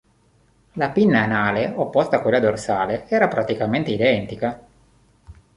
La pinna anale, opposta a quella dorsale, era praticamente identica.